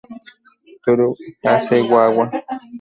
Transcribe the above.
Toru Hasegawa